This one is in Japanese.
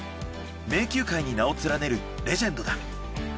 名球会に名を連ねるレジェンドだ。